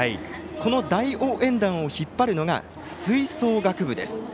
この大応援団を引っ張るのが吹奏楽部です。